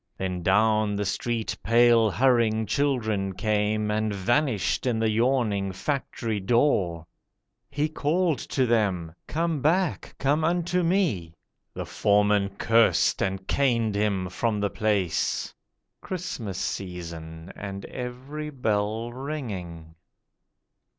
Then down the street pale hurrying children came, And vanished in the yawning Factory door. He called to them: 'Come back, come unto Me.' The Foreman cursed, and caned Him from the place. (Christmas season, and every bell ringing.)